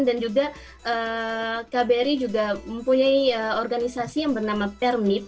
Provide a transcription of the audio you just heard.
dan juga kbri juga mempunyai organisasi yang bernama permip